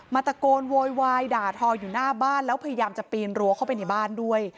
ตะโกนโวยวายด่าทออยู่หน้าบ้านแล้วพยายามจะปีนรั้วเข้าไปในบ้านด้วย